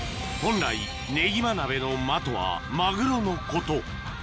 本来ネギマ鍋の「マ」とはマグロのこと